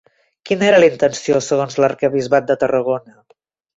Quina era la intenció segons l'Arquebisbat de Tarragona?